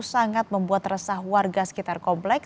sangat membuat resah warga sekitar komplek